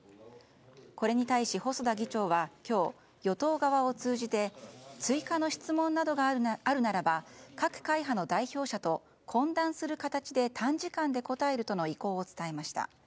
これに対し細田議長は今日与党側を通じて追加の質問などがあるならば各会派の代表者と懇談する形で短時間で答えるとの意向を伝えました。